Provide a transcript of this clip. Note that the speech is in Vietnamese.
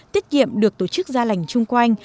tiết kiệm được tổ chức da lành chung quanh